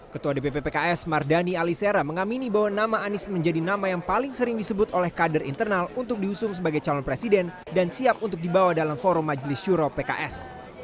ketua dpp pks mardani alisera mengamini bahwa nama anies menjadi nama yang paling sering disebut oleh kader internal untuk diusung sebagai calon presiden dan siap untuk dibawa dalam forum majelis syuro pks